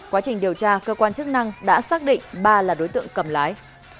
quá trình điều tra cơ quan chức năng đã xác định ba là đối tượng cầm lái